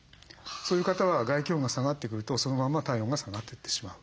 そういう方は外気温が下がってくるとそのまま体温が下がってってしまう。